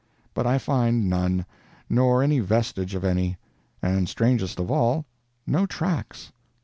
But I find none, nor any vestige of any; and strangest of all, no tracks.